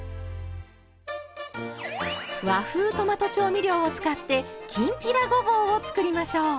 和風トマト調味料を使ってきんぴらごぼうを作りましょう。